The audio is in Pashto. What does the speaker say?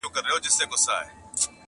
• بیا به سېل د شوپرکو له رڼا وي تورېدلی -